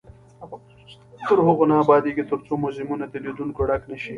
افغانستان تر هغو نه ابادیږي، ترڅو موزیمونه د لیدونکو ډک نشي.